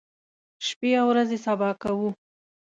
شپې او ورځې سبا کوو.